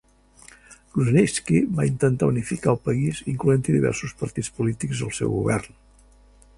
Grunitzky va intentar unificar el país incloent-hi diversos partits polítics al seu govern.